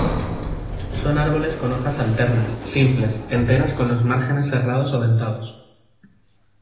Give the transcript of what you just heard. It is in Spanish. Son árboles con hojas alternas, simples, enteras con los márgenes serrados o dentados.